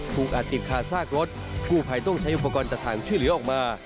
พูกอาจติดคาซากรถผู้ผ่ายต้องใช้อุปกรณ์ตะถังช่วยเหลือออกมา